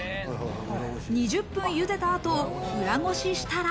２０分ゆでた後、裏ごししたら。